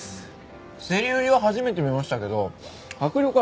競り売りは初めて見ましたけど迫力ありますね。